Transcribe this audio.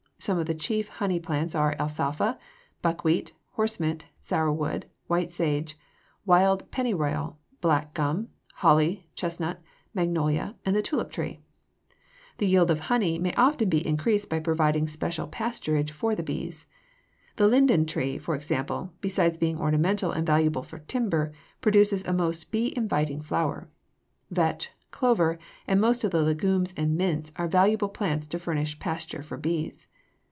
Some of the chief honey plants are alfalfa, buckwheat, horsemint, sourwood, white sage, wild pennyroyal, black gum, holly, chestnut, magnolia, and the tulip tree. The yield of honey may often be increased by providing special pasturage for the bees. The linden tree, for example, besides being ornamental and valuable for timber, produces a most bee inviting flower. Vetch, clover, and most of the legumes and mints are valuable plants to furnish pasture for bees.